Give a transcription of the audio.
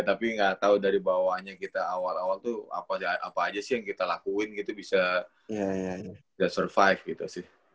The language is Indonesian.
tapi nggak tahu dari bawahnya kita awal awal tuh apa aja sih yang kita lakuin gitu bisa gak survive gitu sih